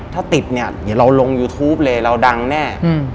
ถ้าติดเนี่ยเดี๋ยวเราลงยูทูปเลยเราดังแน่